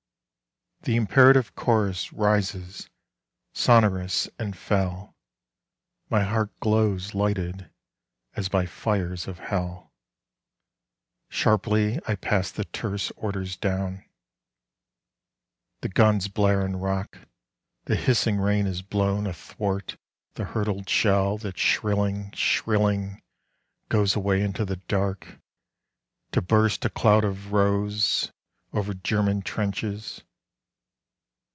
The imperative chorus rises sonorous and fell: My heart glows lighted as by fires of hell. Sharply I pass the terse orders down. The guns blare and rock. The hissing rain is blown Athwart the hurtled shell that shrilling, shrilling goes Away into the dark, to burst a cloud of rose Over German trenches.